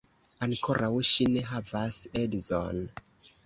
Ankoraŭ ŝi ne havas edzon.